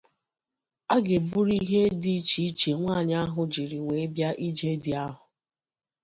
A ga-eburu ihe dị iche iche nwaanyị ahụ jiri wee bịa ije di ahụ